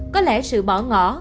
có lẽ sự bỏ ngỏ